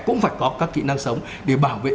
cũng phải có các kỹ năng sống để bảo vệ